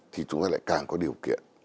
thì chúng ta lại càng có điều kiện